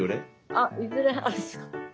あっいずれあるんですか？